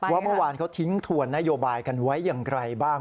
ว่าเมื่อวานเขาทิ้งถวนนโยบายกันไว้อย่างไรบ้าง